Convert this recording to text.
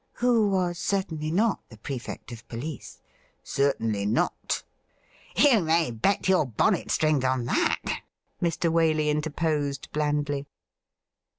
' Who was certainly not the Prefect of Police >''' Certainly not.' ' You may bet your bonnet strings on that,' Mr. Waley interposed blandly.